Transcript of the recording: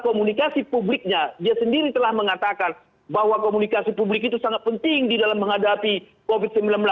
komunikasi publiknya dia sendiri telah mengatakan bahwa komunikasi publik itu sangat penting di dalam menghadapi covid sembilan belas